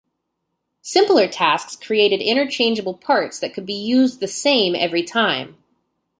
Simpler tasks created interchangeable parts that could be used the same every time.